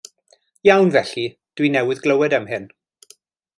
Iawn, felly, dwi newydd glywed am hyn.